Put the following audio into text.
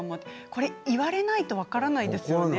これ言われないと分からないですよね